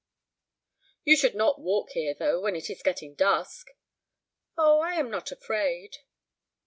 "You should not walk here, though, when it is getting dusk." "Oh, I am not afraid."